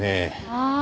ああ！